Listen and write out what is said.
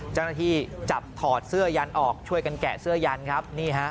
เจ้าหน้าที่จับถอดเสื้อยันออกช่วยกันแกะเสื้อยันครับนี่ฮะ